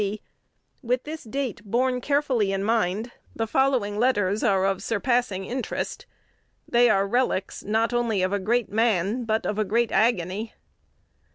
G." With this date carefully borne in mind, the following letters are of surpassing interest. They are relics, not only of a great man, but of a great agony.